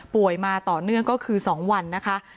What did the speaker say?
มาต่อเนื่องก็คือ๒วันนะคะ